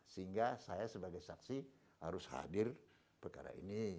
sehingga saya sebagai saksi harus hadir perkara ini